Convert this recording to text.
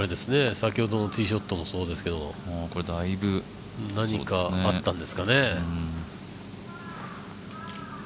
先ほどのティーショットもそうですけど、何かあったんですかね。